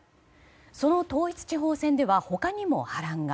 その統一地方選では他にも波乱が。